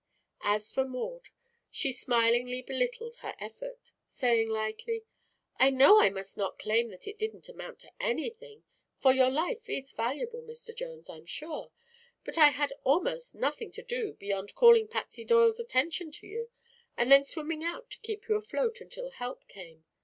As for Maud, she smilingly belittled her effort, saying lightly: "I know I must not claim that it didn't amount to anything, for your life is valuable, Mr. Jones, I'm sure. But I had almost nothing to do beyond calling Patsy Doyle's attention to you and then swimming out to keep you afloat until help came.